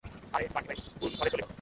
আরেহ, বান্টি-ভাই, ভুল ঘরে চলে এসেছি।